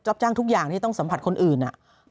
จ้างทุกอย่างที่ต้องสัมผัสคนอื่น